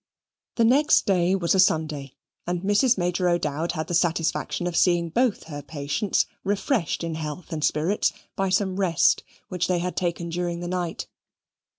The next day was a Sunday. And Mrs. Major O'Dowd had the satisfaction of seeing both her patients refreshed in health and spirits by some rest which they had taken during the night.